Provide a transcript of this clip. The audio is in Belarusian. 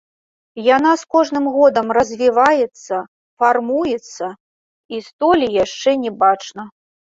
Яна з кожным годам развіваецца, фармуецца, і столі яшчэ не бачна.